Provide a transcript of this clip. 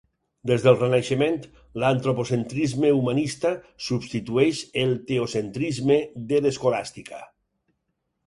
Des del Renaixement, l'antropocentrisme humanista substitueix el teocentrisme de l'escolàstica.